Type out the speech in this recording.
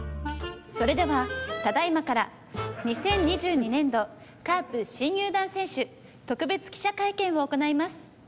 それではただ今から２０２２年度カープ新入団選手特別記者会見を行います